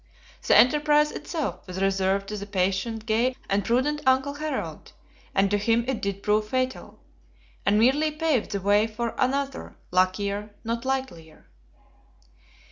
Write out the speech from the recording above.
The enterprise itself was reserved to the patient, gay, and prudent Uncle Harald; and to him it did prove fatal, and merely paved the way for Another, luckier, not likelier!